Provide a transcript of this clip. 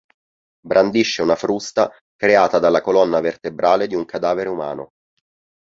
Brandisce una frusta creata dalla colonna vertebrale di un cadavere umano.